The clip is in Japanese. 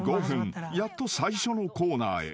［やっと最初のコーナーへ］